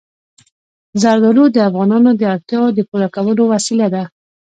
زردالو د افغانانو د اړتیاوو د پوره کولو وسیله ده.